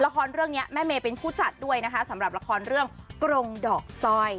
เรื่องนี้แม่เมย์เป็นผู้จัดด้วยนะคะสำหรับละครเรื่องกรงดอกสร้อย